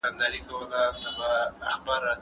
تحقیقي ادب د پوهانو لخوا لوستل کيږي.